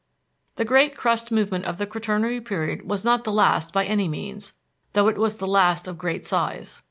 The great crust movement of the Quaternary Period was not the last, by any means, though it was the last of great size.